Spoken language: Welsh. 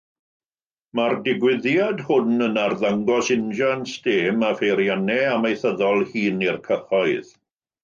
Mae'r digwyddiad hwn yn arddangos injans stêm a pheiriannau amaethyddol hŷn i'r cyhoedd.